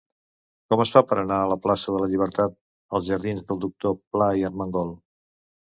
Com es fa per anar de la plaça de la Llibertat als jardins del Doctor Pla i Armengol?